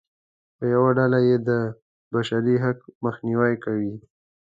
په یوه ډول یې د بشري حق مخنیوی کوي.